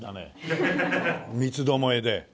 三つどもえで。